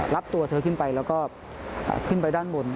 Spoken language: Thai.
รับตัวเธอขึ้นไปแล้วก็ขึ้นไปด้านบน